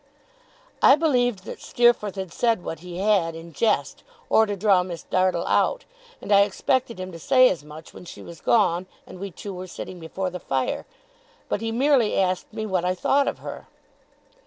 I believed that Steerforth had said what he had, in jest, or to draw Miss Dartle out; and I expected him to say as much when she was gone, and we two were sitting before the fire. But he merely asked me what I thought of her.